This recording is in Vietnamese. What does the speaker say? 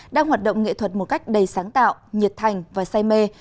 đang hoạt động nghệ thuật một cách đầy sáng tạo nhiệt thành và say mê